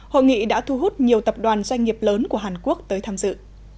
hội nghị đã thu hút nhiều tập đoàn doanh nghiệp lớn của hàn quốc tới tham dự